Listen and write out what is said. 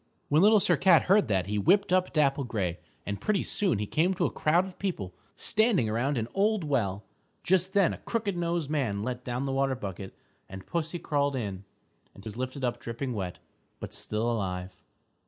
_" When Little Sir Cat heard that he whipped up Dapple Gray and pretty soon he came to a crowd of people standing around an old well. Just then a crooked nosed man let down the water bucket and pussy crawled in and was lifted up dripping wet, but still alive.